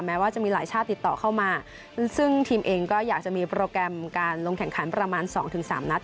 ว่าจะมีหลายชาติติดต่อเข้ามาซึ่งทีมเองก็อยากจะมีโปรแกรมการลงแข่งขันประมาณสองถึงสามนัด